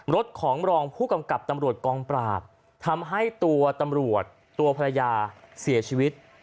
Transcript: รถของรองผู้กำกับตำรวจกองปราบทำให้ตัวตำรวจตัวภรรยาเสียชีวิต